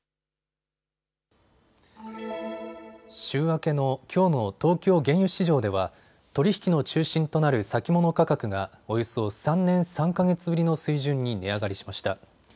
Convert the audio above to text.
週明けのきょうの東京原油市場では取り引きの中心となる先物価格がおよそ３年３か月ぶりの水準に値上がりしました。